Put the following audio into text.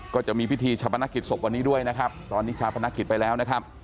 ก็จะมีพิธีชาปนกิจศพวันนี้ด้วยนะครับตอนนี้ชาวพนักกิจไปแล้วนะครับ